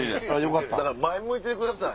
だから前向いてください。